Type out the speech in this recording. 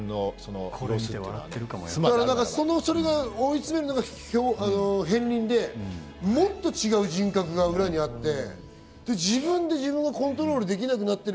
追い詰めるのが片鱗でもっと違う人格が裏にあって自分で自分がコントロールできなくなってる。